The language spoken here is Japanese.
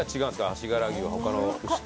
足柄牛は他の牛と。